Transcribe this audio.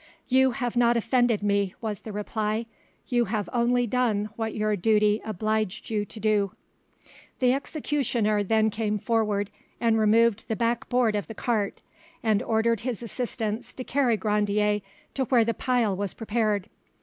"You have not offended me," was the reply; "you have only done what your duty obliged you to do." The executioner then came forward and removed the back board of the cart, and ordered his assistants to carry Grandier to where the pile was prepared.